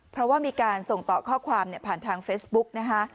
เพราะว่ามีการส่งต่อข้อความผ่านทางเฟซบุ๊กนะคะ